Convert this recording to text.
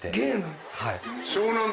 はい。